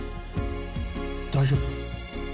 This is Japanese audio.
大丈夫？